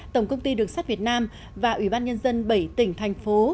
tổng công ty đường sắt việt nam và ủy ban nhân dân bảy tỉnh thành phố